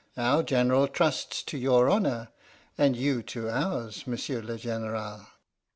Our General trusts to your honour, and you to ours, Monsieur le General."